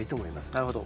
なるほど。